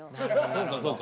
そうかそうか。